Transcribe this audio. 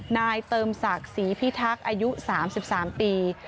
นายเติมศักดิ์ศรีพิทักษ์อายุ๓๓ปี